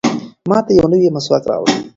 ماته یو نوی مسواک راوړه.